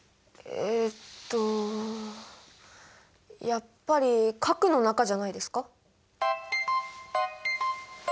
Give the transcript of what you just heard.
やっぱり核の中じゃないですか？